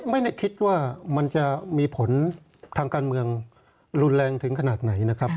ไม่ได้คิดว่ามันจะมีผลทางการเมืองรุนแรงถึงขนาดไหนนะครับ